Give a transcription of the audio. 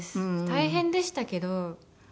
大変でしたけど。